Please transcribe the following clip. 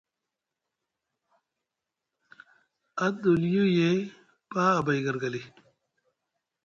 Adoliyo ye paa abay gargali.